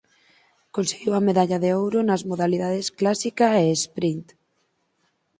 Conseguiu a medalla de ouro nas modalidades clásica e sprint.